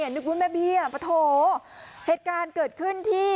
นึกว่าแม่เบี้ยปะโถเหตุการณ์เกิดขึ้นที่